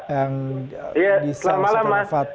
ya selamat malam mas